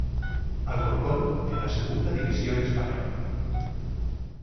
Alcorcón en la segunda división española.